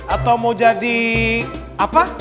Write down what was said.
atau mau jadi apa